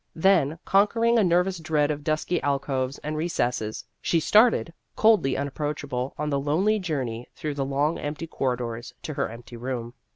Then, conquering a nervous dread of dusky alcoves and re cesses, she started, coldly unapproachable, on the lonely journey through the long empty corridors to her empty room.